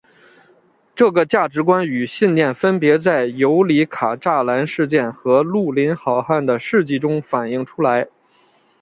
这个价值观与信念分别在尤里卡栅栏事件和绿林好汉的事迹中反映出来。